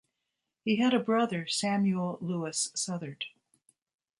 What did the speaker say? He had a brother, Samuel Lewis Southard.